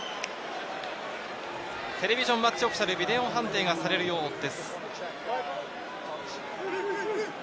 テレビジョン・マッチ・オフィシャル、ビデオ判定がされるようです。